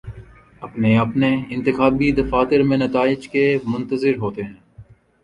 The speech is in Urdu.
اپنے اپنے انتخابی دفاتر میں نتائج کے منتظر ہوتے ہیں